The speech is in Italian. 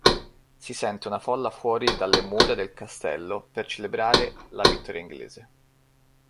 Si sente una folla fuori dalle mura del castello per celebrare la vittoria inglese.